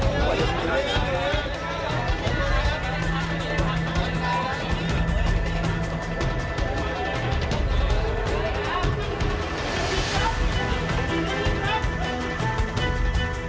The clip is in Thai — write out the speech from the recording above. โอลี่คัมรี่ยากที่ใครจะตามพันธุ์